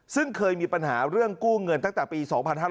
ซึ่งเคยมีปัญหาเรื่องกู้เงินตั้งแต่ปี๒๕๕๙